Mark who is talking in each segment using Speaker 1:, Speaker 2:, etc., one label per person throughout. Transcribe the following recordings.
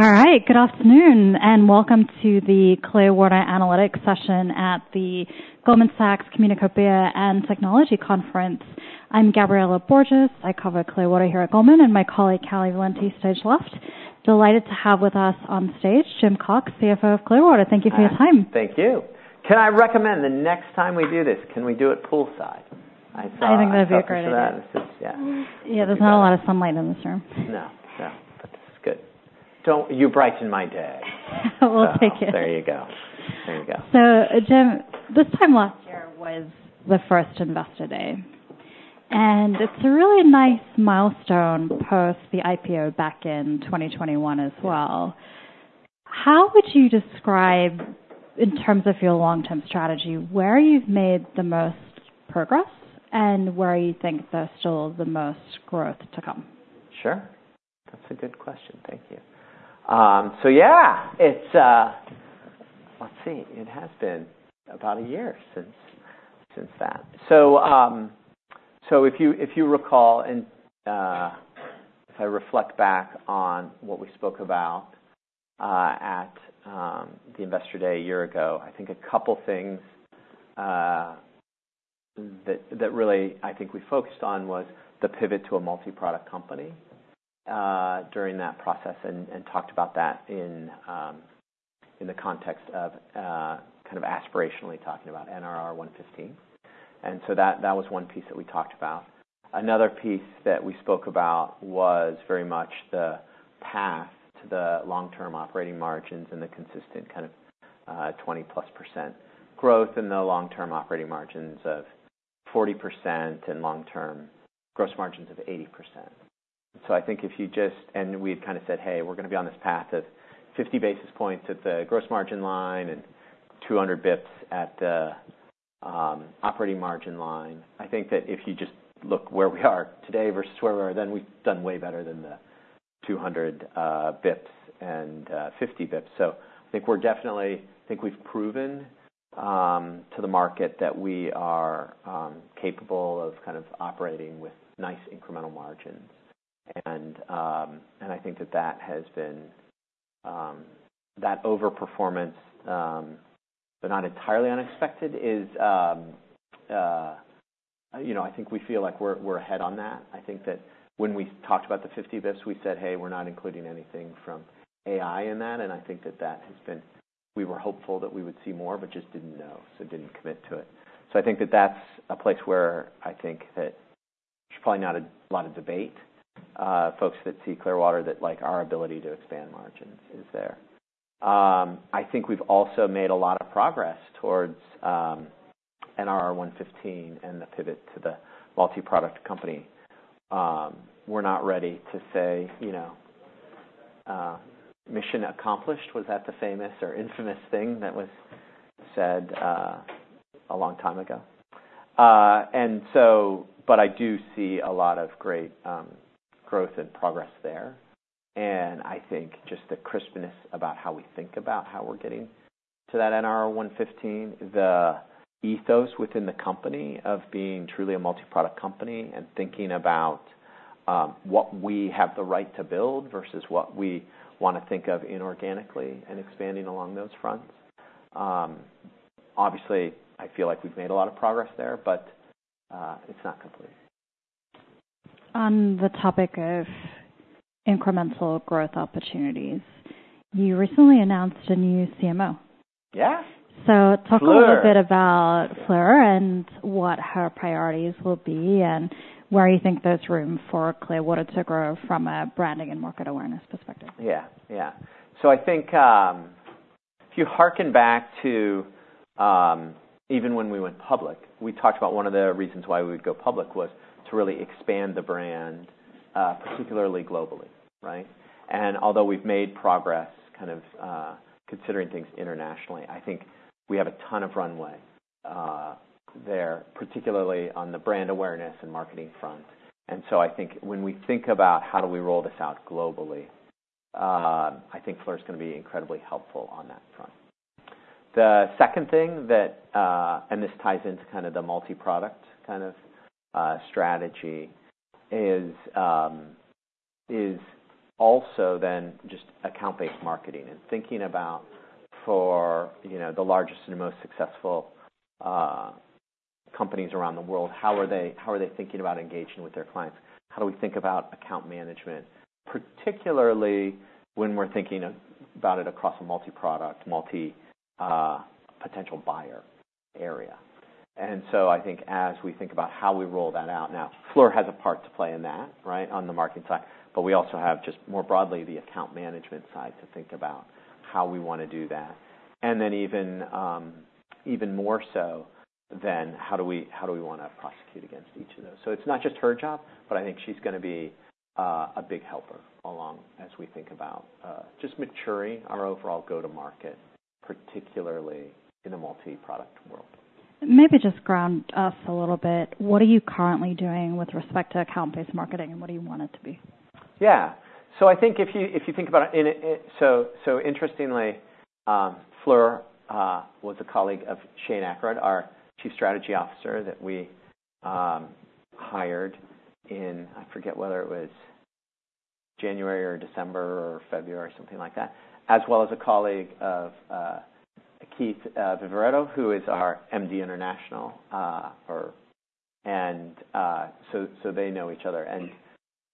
Speaker 1: All right, good afternoon, and welcome to the Clearwater Analytics session at the Goldman Sachs Communacopia and Technology Conference. I'm Gabriela Borges. I cover Clearwater here at Goldman, and my colleague Callie Valenti, stage left. Delighted to have with us on stage Jim Cox, CFO of Clearwater. Thank you for your time.
Speaker 2: Thank you. Can I recommend the next time we do this, can we do it poolside?
Speaker 1: I think that'd be great.
Speaker 2: Yeah.
Speaker 1: Yeah, there's not a lot of sunlight in this room.
Speaker 2: No, no, but this is good. Don't. You brighten my day.
Speaker 1: We'll take it.
Speaker 2: There you go. There you go.
Speaker 1: So, Jim, this time last year was the first Investor Day, and it's a really nice milestone post the IPO back in twenty twenty-one as well. How would you describe, in terms of your long-term strategy, where you've made the most progress and where you think there's still the most growth to come?
Speaker 2: Sure. That's a good question. Thank you. So yeah, it's. Let's see, it has been about a year since that. So, so if you recall, and if I reflect back on what we spoke about at the Investor Day a year ago, I think a couple things that really I think we focused on was the pivot to a multi-product company during that process, and talked about that in the context of kind of aspirationally talking about NRR one fifteen. And so that was one piece that we talked about. Another piece that we spoke about was very much the path to the long-term operating margins and the consistent kind of 20+% growth in the long-term operating margins of 40% and long-term gross margins of 80%. And we've kind of said, "Hey, we're gonna be on this path of fifty basis points at the gross margin line and two hundred basis points at the operating margin line." I think that if you just look where we are today versus where we were then, we've done way better than the two hundred basis points and fifty basis points. So I think we're definitely. I think we've proven to the market that we are capable of kind of operating with nice incremental margins. And I think that that has been that overperformance, but not entirely unexpected, is, you know, I think we feel like we're ahead on that. I think that when we talked about the fifty bips, we said, "Hey, we're not including anything from AI in that." And I think that that has been. We were hopeful that we would see more, but just didn't know, so didn't commit to it. So I think that that's a place where I think that there's probably not a lot of debate. Folks that see Clearwater, that like our ability to expand margins, is there. I think we've also made a lot of progress towards NRR 115 and the pivot to the multi-product company. We're not ready to say, you know, mission accomplished. Was that the famous or infamous thing that was said, a long time ago? And so, but I do see a lot of great growth and progress there. I think just the crispness about how we think about how we're getting to that NRR 115, the ethos within the company of being truly a multi-product company and thinking about what we have the right to build versus what we wanna think of inorganically and expanding along those fronts. Obviously, I feel like we've made a lot of progress there, but it's not complete.
Speaker 1: On the topic of incremental growth opportunities, you recently announced a new CMO.
Speaker 2: Yeah, Fleur.
Speaker 1: So talk a little bit about Fleur and what her priorities will be and where you think there's room for Clearwater to grow from a branding and market awareness perspective.
Speaker 2: Yeah. Yeah. So I think, if you harken back to, even when we went public, we talked about one of the reasons why we would go public was to really expand the brand, particularly globally, right? And although we've made progress kind of considering things internationally, I think we have a ton of runway there, particularly on the brand awareness and marketing front. And so I think when we think about how do we roll this out globally, I think Fleur's gonna be incredibly helpful on that front. The second thing that and this ties into kind of the multi-product kind of strategy is also then just account-based marketing and thinking about for, you know, the largest and most successful companies around the world, how are they thinking about engaging with their clients? How do we think about account management, particularly when we're thinking about it across a multi-product, multi, potential buyer area? And so I think as we think about how we roll that out, now Fleur has a part to play in that, right, on the marketing side, but we also have, just more broadly, the account management side to think about how we wanna do that. And then even, even more so then, how do we, how do we wanna prosecute against each of those? So it's not just her job, but I think she's gonna be a big helper along as we think about just maturing our overall go-to-market, particularly in a multi-product world.
Speaker 1: Maybe just ground us a little bit. What are you currently doing with respect to account-based marketing, and what do you want it to be?
Speaker 2: Yeah. So I think if you, if you think about it, and it, so interestingly, Fleur was a colleague of Shane Akeroyd, our Chief Strategy Officer, that we hired in, I forget whether it was January or December or February, or something like that, as well as a colleague of Keith Viverito, who is our MD International, and so they know each other. And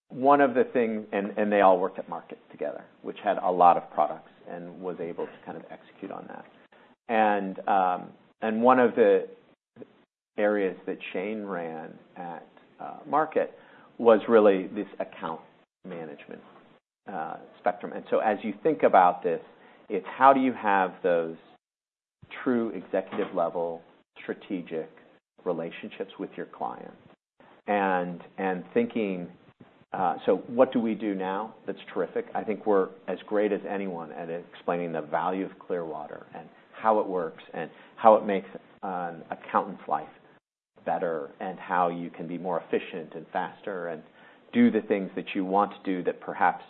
Speaker 2: one of the things, and they all worked at Markit together, which had a lot of products and was able to kind of execute on that. And one of the areas that Shane ran at Markit was really this account management spectrum. And so as you think about this, it's how do you have those true executive-level, strategic relationships with your client? And thinking, so what do we do now that's terrific? I think we're as great as anyone at explaining the value of Clearwater and how it works, and how it makes an accountant's life better, and how you can be more efficient and faster, and do the things that you want to do that perhaps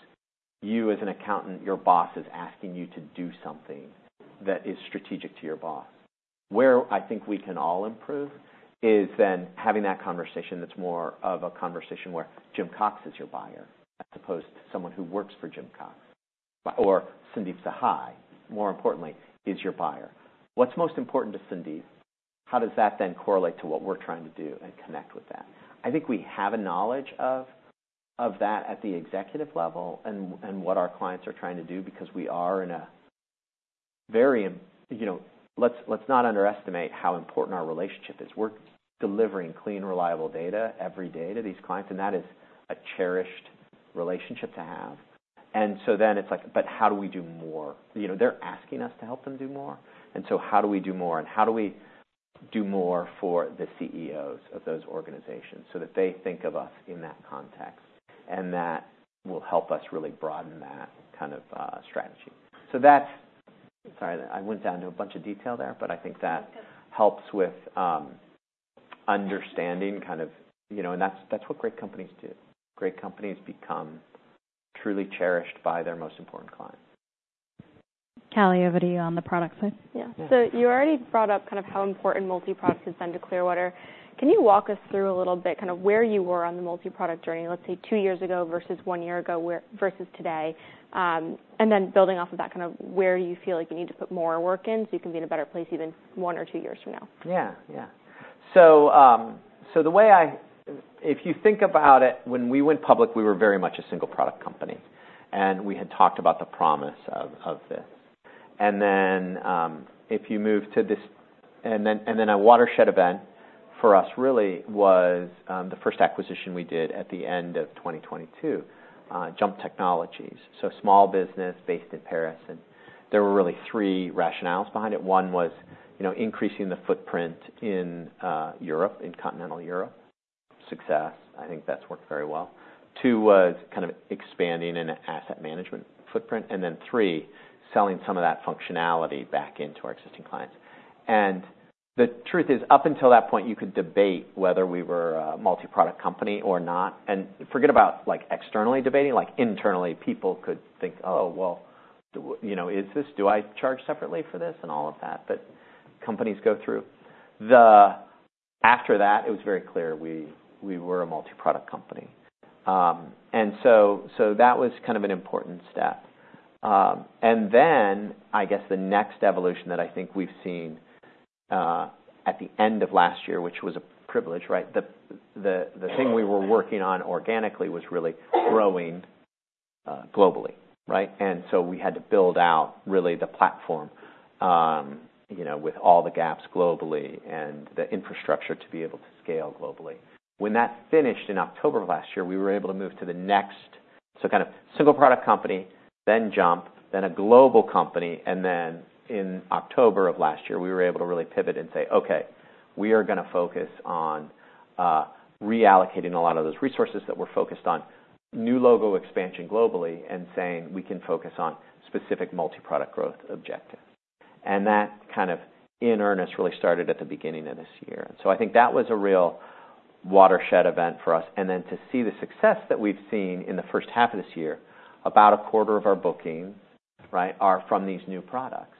Speaker 2: you, as an accountant, your boss is asking you to do something that is strategic to your boss. Where I think we can all improve, is then having that conversation that's more of a conversation where Jim Cox is your buyer, as opposed to someone who works for Jim Cox, or Sandeep Sahai, more importantly, is your buyer. What's most important to Sandeep? How does that then correlate to what we're trying to do and connect with that? I think we have a knowledge of that at the executive level and what our clients are trying to do because we are in a very, you know, let's not underestimate how important our relationship is. We're delivering clean, reliable data every day to these clients, and that is a cherished relationship to have. And so then it's like, but how do we do more? You know, they're asking us to help them do more, and so how do we do more? And how do we do more for the CEOs of those organizations so that they think of us in that context, and that will help us really broaden that kind of strategy. So that. Sorry, I went down to a bunch of detail there, but I think that helps with understanding kind of, you know, and that's what great companies do. Great companies become truly cherished by their most important clients.
Speaker 1: Callie, over to you on the product side.
Speaker 3: Yeah.
Speaker 2: Yeah.
Speaker 3: So you already brought up kind of how important multi-product has been to Clearwater. Can you walk us through a little bit, kind of where you were on the multi-product journey, let's say, two years ago versus one year ago versus today? And then building off of that, kind of where you feel like you need to put more work in, so you can be in a better place even one or two years from now?
Speaker 2: Yeah, yeah. So, if you think about it, when we went public, we were very much a single product company, and we had talked about the promise of this. And then, a watershed event for us really was the first acquisition we did at the end of 2022. JUMP Technologies, it's a small business based in Paris, and there were really three rationales behind it. One was, you know, increasing the footprint in Europe, in continental Europe. Success. I think that's worked very well. Two was kind of expanding in an asset management footprint. And then three, selling some of that functionality back into our existing clients. And the truth is, up until that point, you could debate whether we were a multi-product company or not. And forget about, like, externally debating, like internally, people could think, "Oh, well, you know, is this? Do I charge separately for this?" And all of that, but companies go through. After that, it was very clear we were a multi-product company. And so that was kind of an important step. And then, I guess the next evolution that I think we've seen at the end of last year, which was a privilege, right? The thing we were working on organically was really growing globally, right? And so we had to build out really the platform, you know, with all the gaps globally and the infrastructure to be able to scale globally. When that finished in October of last year, we were able to move to the next. So kind of single product company, then JUMP, then a global company, and then in October of last year, we were able to really pivot and say: Okay, we are gonna focus on reallocating a lot of those resources that were focused on new logo expansion globally, and saying we can focus on specific multi-product growth objectives. And that kind of, in earnest, really started at the beginning of this year. So I think that was a real watershed event for us. And then to see the success that we've seen in the first half of this year, about a quarter of our bookings, right, are from these new products.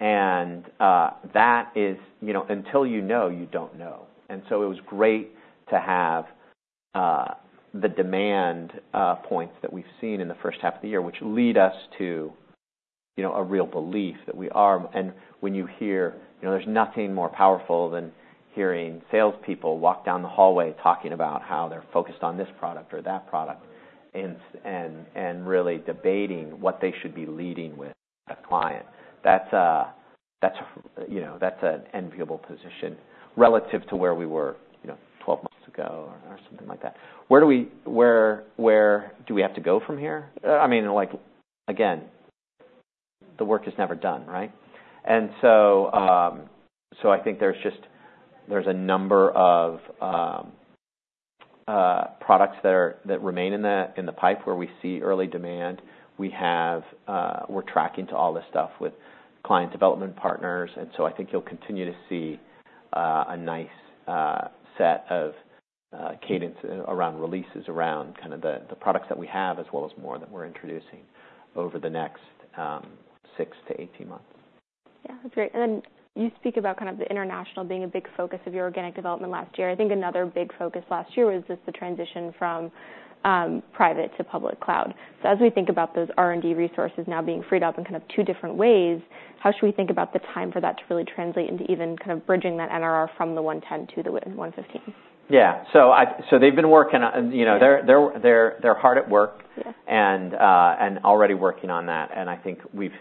Speaker 2: And that is, you know, until you know, you don't know. And so it was great to have the demand points that we've seen in the first half of the year, which lead us to, you know, a real belief that we are. And when you hear, you know, there's nothing more powerful than hearing salespeople walk down the hallway talking about how they're focused on this product or that product, and really debating what they should be leading with a client. That's, you know, that's an enviable position relative to where we were, you know, twelve months ago or something like that. Where do we, where do we have to go from here? I mean, like, again, the work is never done, right? And so, so I think there's just, there's a number of products that are, that remain in the, in the pipe, where we see early demand. We have. We're tracking to all this stuff with client development partners, and so I think you'll continue to see a nice set of cadence around releases, around kind of the products that we have, as well as more that we're introducing over the next six to 18 months.
Speaker 3: Yeah, that's great. And then you speak about kind of the international being a big focus of your organic development last year. I think another big focus last year was just the transition from private to public cloud. So as we think about those R&D resources now being freed up in kind of two different ways, how should we think about the time for that to really translate into even kind of bridging that NRR from the 110 to the 115?
Speaker 2: Yeah. So they've been working on, you know, they're hard at work-
Speaker 3: Yeah
Speaker 2: And already working on that, and I think we've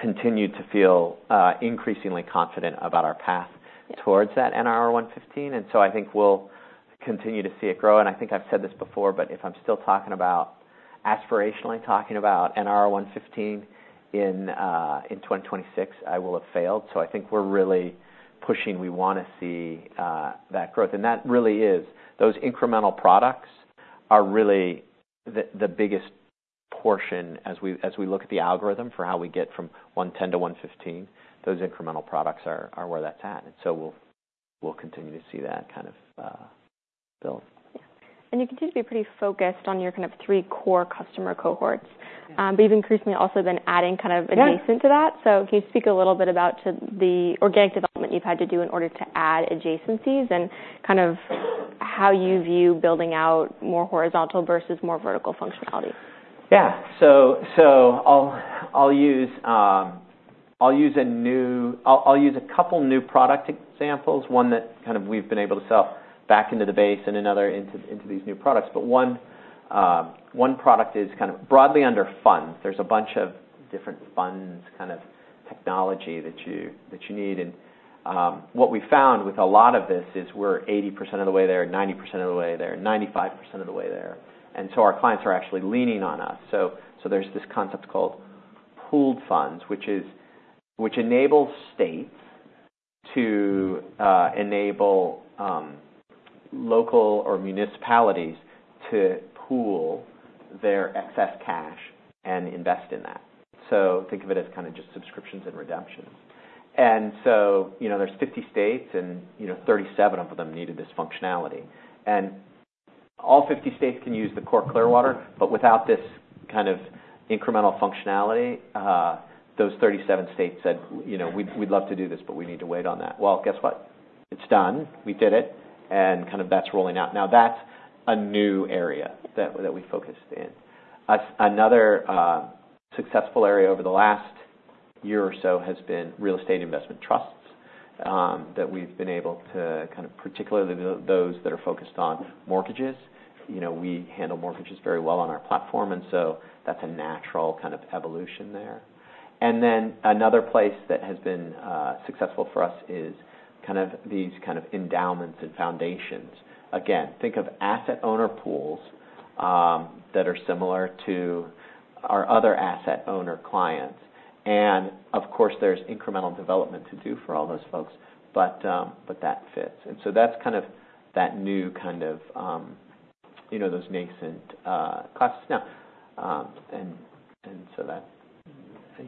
Speaker 2: continued to feel increasingly confident about our path.
Speaker 3: Yeah
Speaker 2: Towards that NRR 115, and so I think we'll continue to see it grow. And I think I've said this before, but if I'm still talking about, aspirationally talking about NRR 115 in 2026, I will have failed. So I think we're really pushing. We wanna see that growth. And that really is, those incremental products are really the biggest portion as we look at the algorithm for how we get from 110 to 115, those incremental products are where that's at. And so we'll continue to see that kind of build.
Speaker 3: Yeah, and you continue to be pretty focused on your kind of three core customer cohorts.
Speaker 2: Yeah.
Speaker 3: But you've increasingly also been adding kind of-
Speaker 2: Yeah
Speaker 3: Adjacent to that. So can you speak a little bit about the organic development you've had to do in order to add adjacencies, and kind of how you view building out more horizontal versus more vertical functionality?
Speaker 2: Yeah. So I'll use a couple new product examples, one that kind of we've been able to sell back into the base and another into these new products. But one product is kind of broadly under funds. There's a bunch of different funds, kind of technology that you need. And what we found with a lot of this is we're 80% of the way there, 90% of the way there, 95% of the way there, and so our clients are actually leaning on us. So there's this concept called pooled funds, which enables states to enable local or municipalities to pool their excess cash and invest in that. So think of it as kind of just subscriptions and redemptions. And so, you know, there's fifty states, and, you know, thirty-seven of them needed this functionality. And all fifty states can use the core Clearwater, but without this kind of incremental functionality, those thirty-seven states said, "You know, we'd love to do this, but we need to wait on that." Guess what? It's done. We did it, and kind of that's rolling out now. That's a new area that we focused in. Another successful area over the last year or so has been real estate investment trusts that we've been able to kind of, particularly those that are focused on mortgages. You know, we handle mortgages very well on our platform, and so that's a natural kind of evolution there. And then another place that has been successful for us is kind of these kind of endowments and foundations. Again, think of asset owner pools that are similar to our other asset owner clients. And of course, there's incremental development to do for all those folks, but that fits. And so that's kind of that new kind of, you know, those nascent classes. Now, and so that.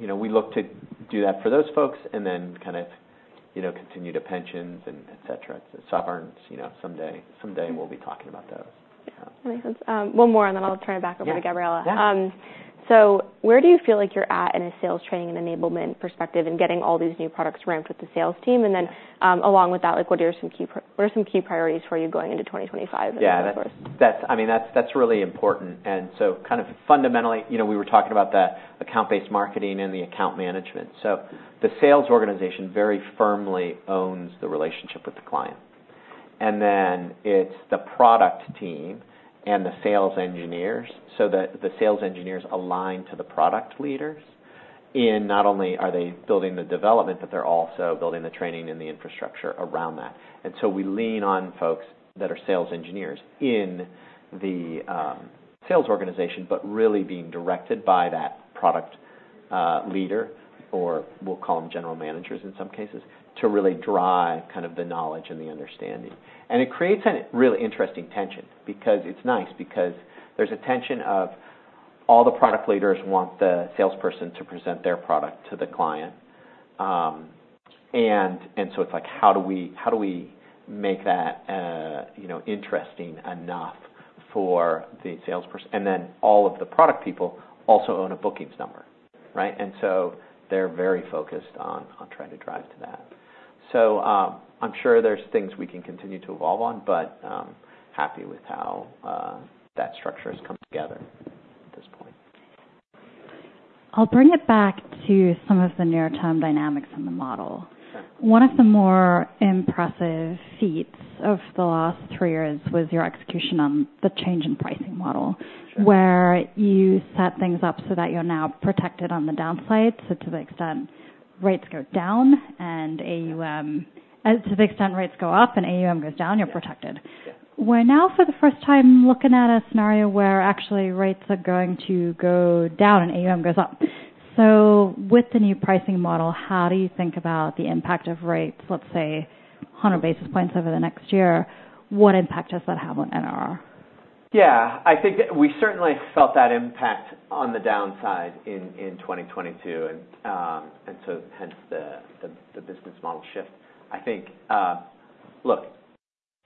Speaker 2: You know, we look to do that for those folks and then kind of, you know, continue to pensions and et cetera. Sovereigns, you know, someday we'll be talking about those.
Speaker 3: Yeah, makes sense. One more, and then I'll turn it back over to Gabriela.
Speaker 2: Yeah.
Speaker 3: So, where do you feel like you're at in a sales training and enablement perspective in getting all these new products ramped with the sales team?
Speaker 2: Yeah.
Speaker 3: And then, along with that, like, what are some key priorities for you going into 2025 of course?
Speaker 2: Yeah, that's, I mean, that's really important. And so kind of fundamentally, you know, we were talking about the account-based marketing and the account management. So the sales organization very firmly owns the relationship with the client. And then it's the product team and the sales engineers, so that the sales engineers align to the product leaders in not only are they building the development, but they're also building the training and the infrastructure around that. And so we lean on folks that are sales engineers in the, sales organization, but really being directed by that product, leader, or we'll call them general managers in some cases, to really drive kind of the knowledge and the understanding. And it creates a really interesting tension, because it's nice, because there's a tension of all the product leaders want the salesperson to present their product to the client. And so it's like, how do we make that, you know, interesting enough for the salesperson? And then all of the product people also own a bookings number, right? And so they're very focused on trying to drive to that. So, I'm sure there's things we can continue to evolve on, but happy with how that structure has come together at this point.
Speaker 1: I'll bring it back to some of the near-term dynamics in the model.
Speaker 2: Sure.
Speaker 1: One of the more impressive feats of the last three years was your execution on the change in pricing model.
Speaker 2: Sure
Speaker 1: Where you set things up so that you're now protected on the downside. So to the extent rates go down and AUM, to the extent rates go up and AUM goes down, you're protected. We're now, for the first time, looking at a scenario where actually rates are going to go down and AUM goes up. So with the new pricing model, how do you think about the impact of rates, let's say, hundred basis points over the next year? What impact does that have on NRR?
Speaker 2: Yeah, I think that we certainly felt that impact on the downside in twenty twenty-two. And so hence the business model shift. I think, look,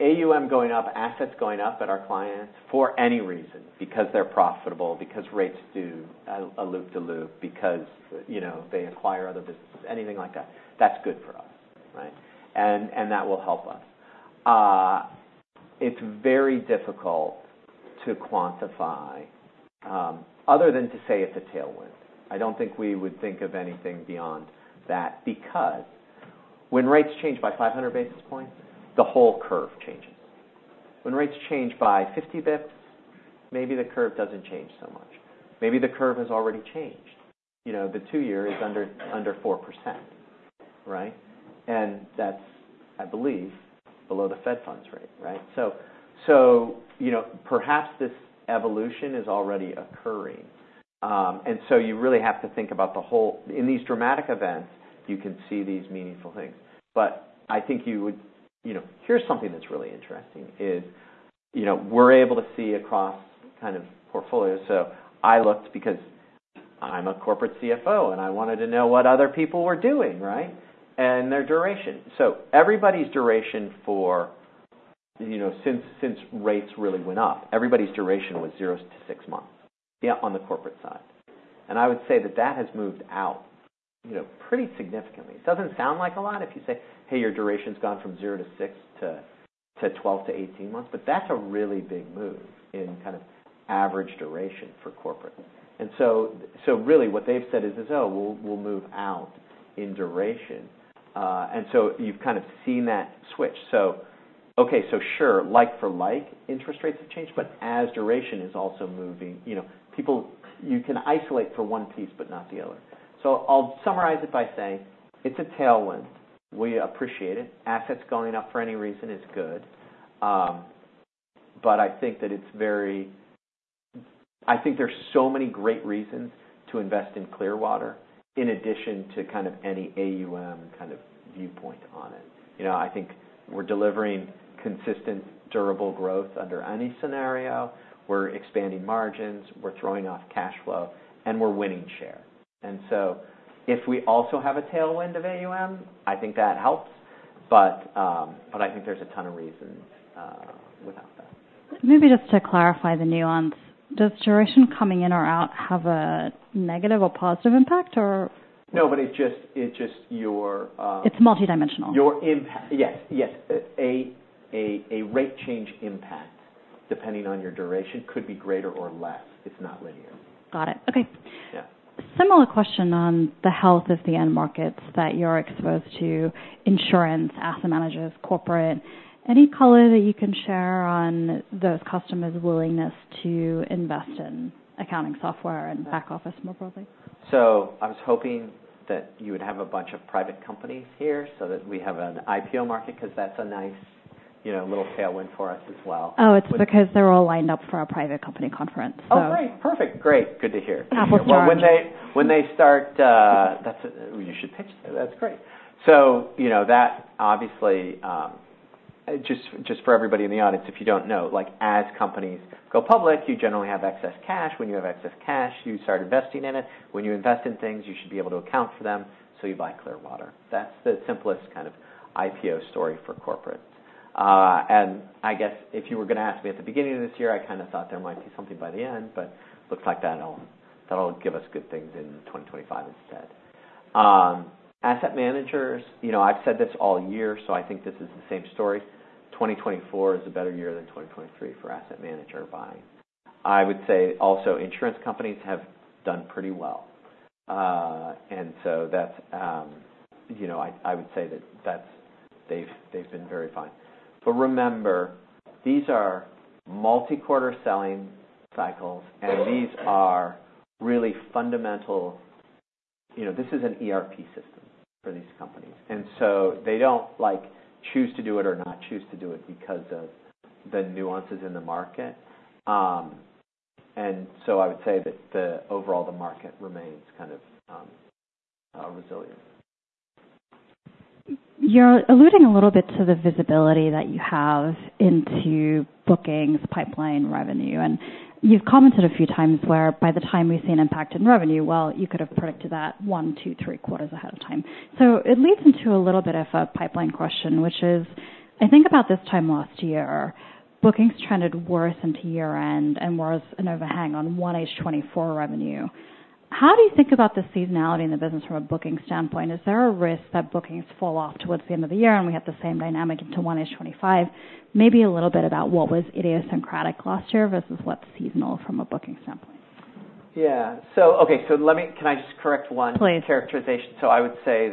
Speaker 2: AUM going up, assets going up at our clients for any reason, because they're profitable, because rates do a loop-de-loop, because, you know, they acquire other businesses, anything like that, that's good for us, right? And that will help us. It's very difficult to quantify, other than to say it's a tailwind. I don't think we would think of anything beyond that, because when rates change by 500 basis points, the whole curve changes. When rates change by 50 basis points, maybe the curve doesn't change so much. Maybe the curve has already changed. You know, the two-year is under 4%, right? And that's, I believe, below the Fed funds rate, right? So, you know, perhaps this evolution is already occurring. And so you really have to think about the whole. In these dramatic events, you can see these meaningful things. But I think you would. You know, here's something that's really interesting is, you know, we're able to see across kind of portfolios. So I looked because I'm a corporate CFO, and I wanted to know what other people were doing, right? And their duration. So everybody's duration for, you know, since rates really went up, everybody's duration was zero to six months, yeah, on the corporate side. And I would say that that has moved out, you know, pretty significantly. It doesn't sound like a lot if you say, "Hey, your duration's gone from zero to six to 12-18 months," but that's a really big move in kind of average duration for corporate. And so really what they've said is, "Oh, we'll move out in duration." And so you've kind of seen that switch. So okay, so sure, like for like, interest rates have changed, but as duration is also moving, you know, people, you can isolate for one piece but not the other. So I'll summarize it by saying, it's a tailwind. We appreciate it. Assets going up for any reason is good. But I think that it's very, I think there's so many great reasons to invest in Clearwater, in addition to kind of any AUM kind of viewpoint on it. You know, I think we're delivering consistent, durable growth under any scenario. We're expanding margins, we're throwing off cash flow, and we're winning share. And so if we also have a tailwind of AUM, I think that helps. But, I think there's a ton of reasons without that.
Speaker 1: Maybe just to clarify the nuance, does duration coming in or out have a negative or positive impact, or?
Speaker 2: No, but it just your
Speaker 1: It's multidimensional.
Speaker 2: Your impact. Yes, yes. A rate change impact, depending on your duration, could be greater or less. It's not linear.
Speaker 1: Got it. Okay.
Speaker 2: Yeah.
Speaker 1: Similar question on the health of the end markets that you're exposed to, insurance, asset managers, corporate. Any color that you can share on those customers' willingness to invest in accounting software and back office, more broadly?
Speaker 2: I was hoping that you would have a bunch of private companies here so that we have an IPO market, 'cause that's a nice, you know, little tailwind for us as well.
Speaker 1: Oh, it's because they're all lined up for our private company conference, so.
Speaker 2: Oh, great! Perfect. Great. Good to hear.
Speaker 1: Apple charged.
Speaker 2: When they start, you should pitch them. That's great, so you know, that obviously just for everybody in the audience, if you don't know, like, as companies go public, you generally have excess cash. When you have excess cash, you start investing in it. When you invest in things, you should be able to account for them, so you buy Clearwater. That's the simplest kind of IPO story for corporate, and I guess if you were gonna ask me at the beginning of this year, I kind of thought there might be something by the end, but looks like that'll give us good things in 2025 instead. Asset managers, you know, I've said this all year, so I think this is the same story. 2024 is a better year than 2023 for asset manager buying. I would say also, insurance companies have done pretty well. And so that's, you know, I would say that that's they've been very fine. But remember, these are multi-quarter selling cycles, and these are really fundamental. You know, this is an ERP system for these companies, and so they don't, like, choose to do it or not choose to do it because of the nuances in the market. And so I would say that the overall, the market remains kind of, resilient.
Speaker 1: You're alluding a little bit to the visibility that you have into bookings, pipeline revenue, and you've commented a few times where by the time we see an impact in revenue, well, you could have predicted that one, two, three quarters ahead of time. So it leads into a little bit of a pipeline question, which is: I think about this time last year, bookings trended worse into year-end and was an overhang on 1H 2024 revenue. How do you think about the seasonality in the business from a booking standpoint? Is there a risk that bookings fall off towards the end of the year, and we have the same dynamic into 1H 2025? Maybe a little bit about what was idiosyncratic last year versus what's seasonal from a booking standpoint.
Speaker 2: Yeah. So, okay, so let me, Can I just correct one.
Speaker 1: Please.
Speaker 2: Characterization? So I would say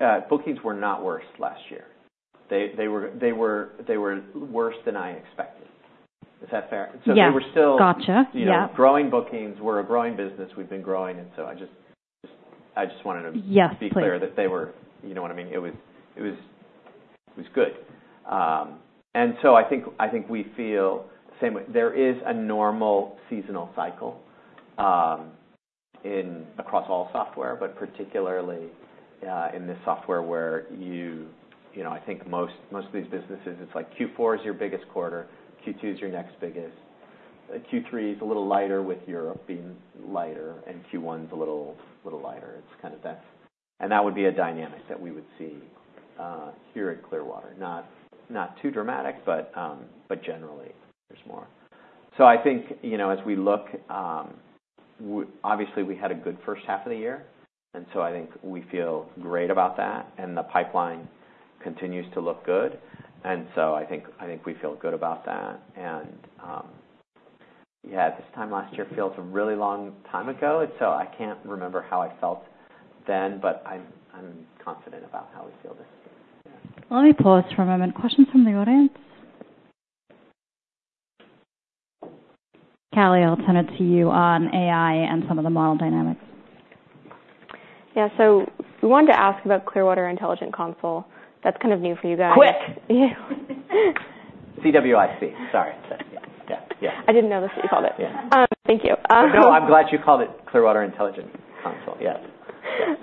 Speaker 2: that bookings were not worse last year. They were worse than I expected. Is that fair?
Speaker 1: Yeah.
Speaker 2: They were still
Speaker 1: Gotcha, yeah.
Speaker 2: You know, growing bookings. We're a growing business. We've been growing, and so I just wanted to-
Speaker 1: Yes, please
Speaker 2: Be clear that they were. You know what I mean? It was good, and so I think we feel the same way. There is a normal seasonal cycle in across all software, but particularly in the software where you know, I think most of these businesses, it's like Q4 is your biggest quarter, Q2 is your next biggest, Q3 is a little lighter with Europe being lighter, and Q1 is a little lighter. It's kind of that, and that would be a dynamic that we would see here in Clearwater. Not too dramatic, but generally there's more, so I think, you know, as we look obviously, we had a good first half of the year, and so I think we feel great about that, and the pipeline continues to look good. And so I think we feel good about that. And, yeah, this time last year feels a really long time ago, and so I can't remember how I felt then, but I'm confident about how we feel this year.
Speaker 1: Let me pause for a moment. Questions from the audience? Callie, I'll turn it to you on AI and some of the model dynamics.
Speaker 3: Yeah. So we wanted to ask about Clearwater Intelligent Console. That's kind of new for you guys.
Speaker 2: CWIC!
Speaker 3: Yeah.
Speaker 2: CWIC. Sorry. Sorry. Yeah. Yeah.
Speaker 3: I didn't know this, you called it.
Speaker 2: Yeah.
Speaker 3: Thank you.
Speaker 2: No, I'm glad you called it Clearwater Intelligent Console. Yes.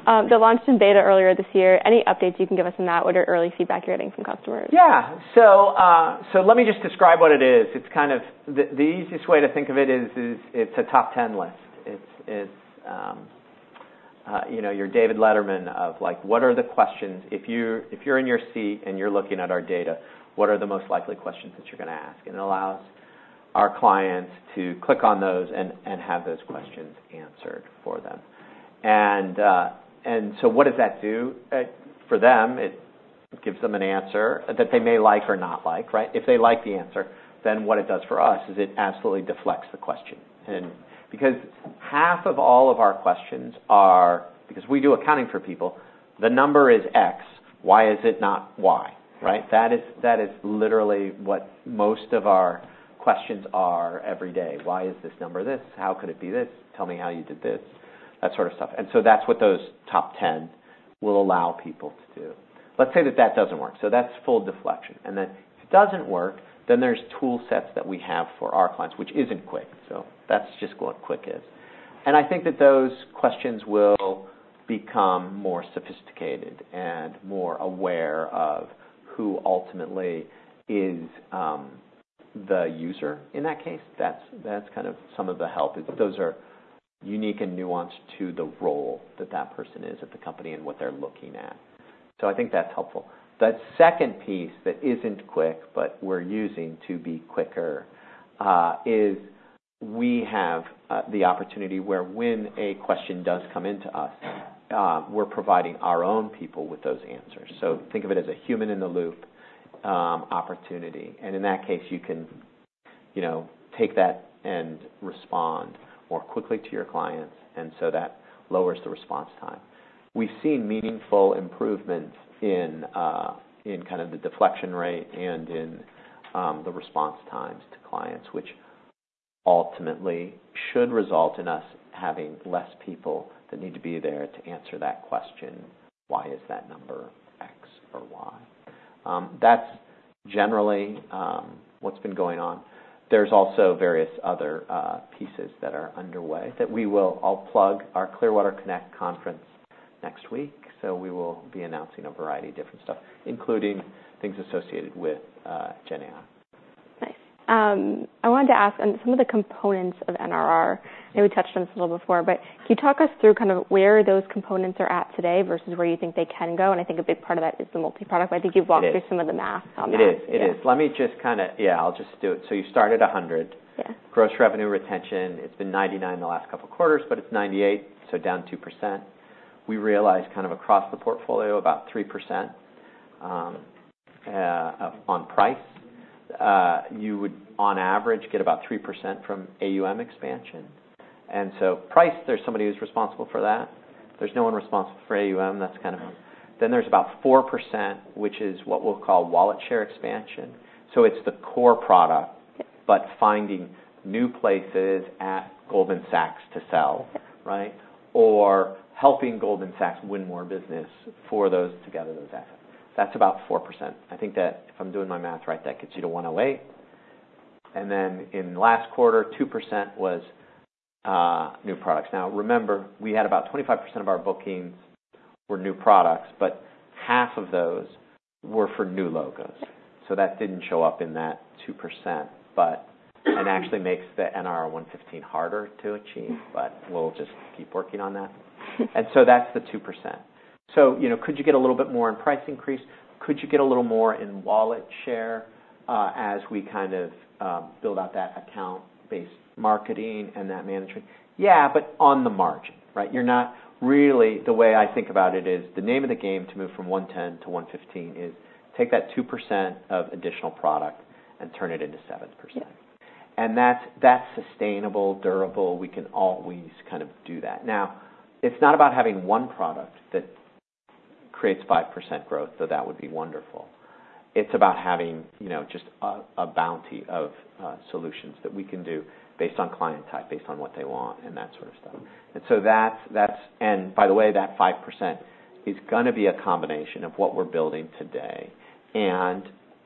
Speaker 3: The launch in beta earlier this year, any updates you can give us on that or early feedback you're getting from customers?
Speaker 2: Yeah. So, let me just describe what it is. It's kind of the easiest way to think of it is it's a top ten list. You know, your David Letterman of, like, what are the questions? If you're in your seat and you're looking at our data, what are the most likely questions that you're gonna ask? And it allows our clients to click on those and have those questions answered for them. And so what does that do? For them, it gives them an answer that they may like or not like, right? If they like the answer, then what it does for us is it absolutely deflects the question. And because half of all of our questions are, because we do accounting for people, the number is X, why is it not Y, right? That is, that is literally what most of our questions are every day. Why is this number this? How could it be this? Tell me how you did this. That sort of stuff. And so that's what those top ten will allow people to do. Let's say that that doesn't work, so that's full deflection, and then if it doesn't work, then there's toolsets that we have for our clients, which isn't CWIC. So that's just what CWIC is. And I think that those questions will become more sophisticated and more aware of who ultimately is the user in that case. That's kind of some of the help. Those are unique and nuanced to the role that that person is at the company and what they're looking at. So I think that's helpful. The second piece that isn't CWIC, but we're using to be CWICer, is we have the opportunity where when a question does come into us, we're providing our own people with those answers. So think of it as a human in the loop opportunity. And in that case, you can, you know, take that and respond more quickly to your clients, and so that lowers the response time. We've seen meaningful improvements in in kind of the deflection rate and in the response times to clients, which ultimately should result in us having less people that need to be there to answer that question, "Why is that number X or Y?" That's generally what's been going on. There's also various other pieces that are underway that we will. I'll plug our Clearwater Connect conference next week, so we will be announcing a variety of different stuff, including things associated with GenAI.
Speaker 3: Nice. I wanted to ask on some of the components of NRR, and we touched on this a little before, but can you talk us through kind of where those components are at today versus where you think they can go? And I think a big part of that is the multi-product.
Speaker 2: It is.
Speaker 3: I think you've walked through some of the math on that.
Speaker 2: It is. It is.
Speaker 3: Yeah.
Speaker 2: Let me just kind. Yeah, I'll just do it. So you start at a hundred.
Speaker 3: Yeah.
Speaker 2: Gross revenue retention, it's been 99% the last couple quarters, but it's 98%, so down 2%. We realized kind of across the portfolio, about 3% on price. You would, on average, get about 3% from AUM expansion. And so price, there's somebody who's responsible for that. There's no one responsible for AUM. That's kind of. Then there's about 4%, which is what we'll call wallet share expansion. So it's the core product. But finding new places at Goldman Sachs to sell Right? Or helping Goldman Sachs win more business for those together those assets. That's about 4%. I think that if I'm doing my math right, that gets you to 108. And then in last quarter, 2% was new products. Now, remember, we had about 25% of our bookings were new products, but half of those were for new logos, so that didn't show up in that 2%. But it actually makes the NRR 115 harder to achieve. but we'll just keep working on that. And so that's the 2%. So, you know, could you get a little bit more in price increase? Could you get a little more in wallet share, as we kind of build out that account-based marketing and that management? Yeah, but on the margin, right? You're not really. The way I think about it is, the name of the game to move from one ten to one fifteen is take that 2% of additional product and turn it into 7%. That's sustainable, durable. We can always kind of do that. Now, it's not about having one product that creates 5% growth, though that would be wonderful. It's about having, you know, just a bounty of solutions that we can do based on client type, based on what they want, and that sort of stuff. That's. And by the way, that 5% is gonna be a combination of what we're building today and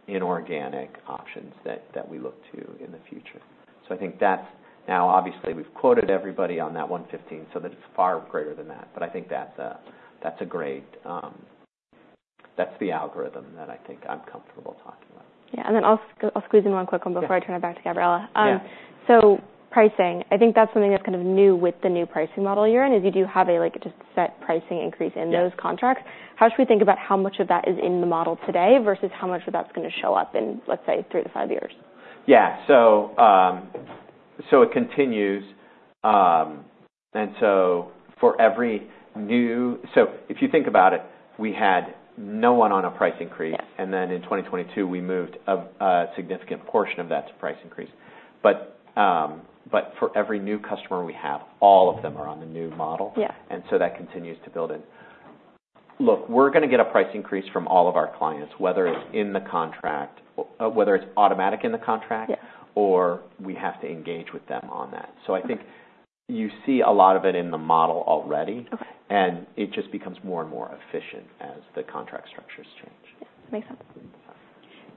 Speaker 2: inorganic options that we look to in the future. So I think that's. Now, obviously, we've quoted everybody on that 115, so that it's far greater than that, but I think that's a great. That's the algorithm that I think I'm comfortable talking about.
Speaker 3: Yeah, and then I'll squeeze in one quick one before I turn it back to Gabriela.
Speaker 2: Yeah.
Speaker 3: So pricing, I think that's something that's kind of new with the new pricing model you're in, is you do have a, like, just set pricing increase in those contracts.
Speaker 2: Yeah.
Speaker 3: How should we think about how much of that is in the model today versus how much of that's gonna show up in, let's say, three to five years?
Speaker 2: Yeah. So, so it continues, and so for every new. So if you think about it, we had no one on a price increase.
Speaker 3: Yeah.
Speaker 2: Then in 2022, we moved a significant portion of that to price increase. But for every new customer we have, all of them are on the new model.
Speaker 3: Yeah.
Speaker 2: So that continues to build in. Look, we're gonna get a price increase from all of our clients, whether it's automatic in the contract-
Speaker 3: Yeah
Speaker 2: Or we have to engage with them on that.
Speaker 3: Okay.
Speaker 2: So I think you see a lot of it in the model already.
Speaker 3: Okay.
Speaker 2: It just becomes more and more efficient as the contract structures change.
Speaker 3: Yeah, makes sense.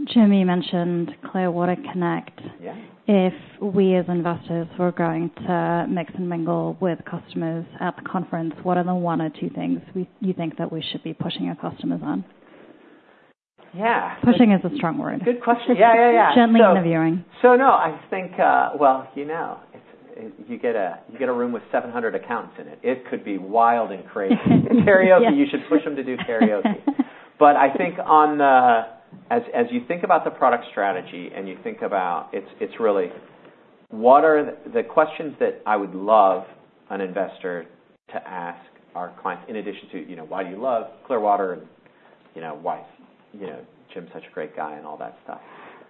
Speaker 1: Jim, you mentioned Clearwater Connect.
Speaker 2: Yeah.
Speaker 1: If we, as investors, were going to mix and mingle with customers at the conference, what are the one or two things you think that we should be pushing our customers on?
Speaker 2: Yeah.
Speaker 1: Pushing is a strong word.
Speaker 2: Good question. Yeah, yeah, yeah.
Speaker 1: Gently interviewing.
Speaker 2: No, I think, well, you know, it's. You get a room with 700 accountants in it. It could be wild and crazy.
Speaker 1: Yes.
Speaker 2: Karaoke. You should push them to do karaoke, but I think as you think about the product strategy and you think about. It's really what are the questions that I would love an investor to ask our clients, in addition to, you know, why do you love Clearwater and, you know, why, you know, Jim's such a great guy, and all that stuff?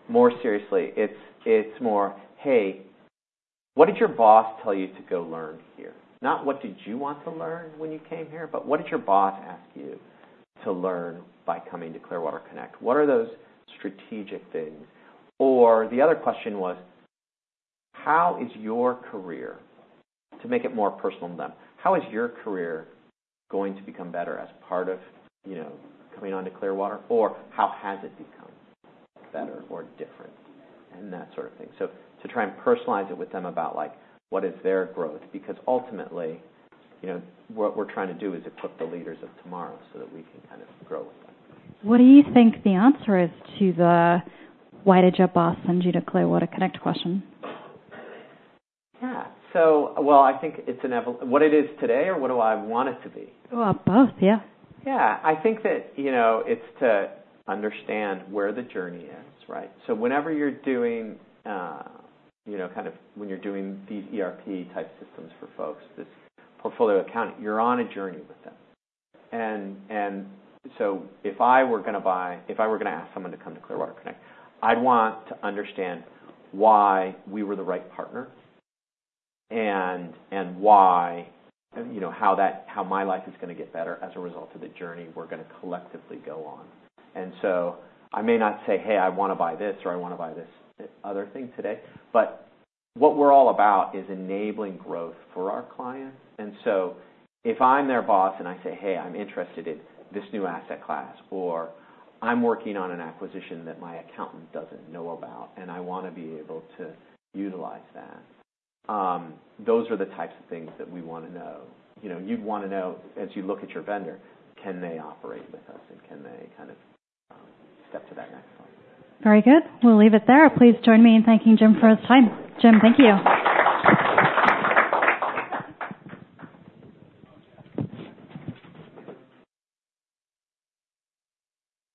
Speaker 2: More seriously, it's more, "Hey, what did your boss tell you to go learn here?" Not what did you want to learn when you came here, but what did your boss ask you to learn by coming to Clearwater Connect? What are those strategic things, or the other question was, to make it more personal to them, how is your career going to become better as part of, you know, coming on to Clearwater? Or how has it become better or different, and that sort of thing. So to try and personalize it with them about, like, what is their growth, because ultimately, you know, what we're trying to do is equip the leaders of tomorrow, so that we can kind of grow with them.
Speaker 1: What do you think the answer is to the, why did your boss send you to Clearwater Connect question?
Speaker 2: Yeah. I think it's an eval. What it is today, or what do I want it to be?
Speaker 1: Well, both. Yeah.
Speaker 2: Yeah. I think that, you know, it's to understand where the journey ends, right? So whenever you're doing, you know, kind of when you're doing these ERP-type systems for folks, this portfolio accounting, you're on a journey with them. And so if I were gonna ask someone to come to Clearwater Connect, I'd want to understand why we were the right partner, and why, and, you know, how my life is gonna get better as a result of the journey we're gonna collectively go on. And so I may not say, "Hey, I wanna buy this," or, "I wanna buy this other thing today," but what we're all about is enabling growth for our clients. And so if I'm their boss and I say, "Hey, I'm interested in this new asset class," or, "I'm working on an acquisition that my accountant doesn't know about, and I wanna be able to utilize that," those are the types of things that we wanna know. You know, you'd wanna know as you look at your vendor, can they operate with us, and can they kind of, step to that next level?
Speaker 1: Very good. We'll leave it there. Please join me in thanking Jim for his time. Jim, thank you.